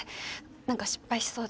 何か失敗しそうで。